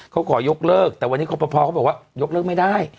เขาขอยกเลิกแต่วันนี้ขอประพอเขาบอกว่ายกเลิกไม่ได้